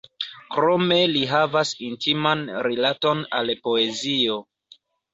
Krome li havas intiman rilaton al poezio.